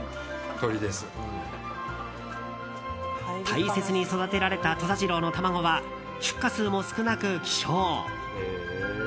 大切に育てられた土佐ジローの卵は出荷数も少なく希少。